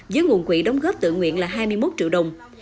dưới nguồn quỹ đóng góp tự nguyện là hai mươi một triệu đồng